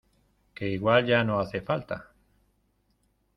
que igual ya no hace falta.